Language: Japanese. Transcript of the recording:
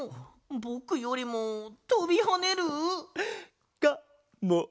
ぼくよりもとびはねる？かもな！